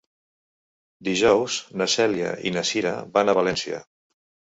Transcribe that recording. Dijous na Cèlia i na Cira van a València.